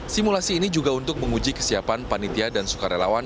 simulasi ini juga untuk menguji kesiapan panitia dan sukarelawan